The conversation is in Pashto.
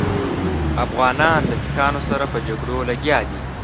افغانان له سیکهانو سره په جګړو لګیا دي.